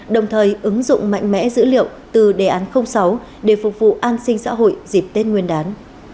đồng thời ứng dụng mạnh mẽ dữ liệu từ đề án sáu để phục vụ an sinh xã hội dịp tết nguyên đán